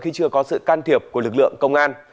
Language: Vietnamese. khi chưa có sự can thiệp của lực lượng công an